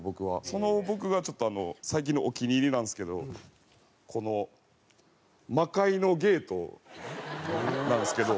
その僕がちょっと最近のお気に入りなんですけどこの魔界のゲートなんですけど。